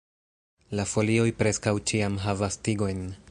La folioj preskaŭ ĉiam havas tigojn.